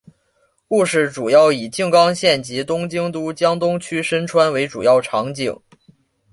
故事主要以静冈县及东京都江东区深川为主要场景。